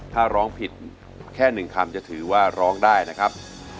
ถ้าร้องผิดแค่๑คำจะถือว่าร้องได้นะครับ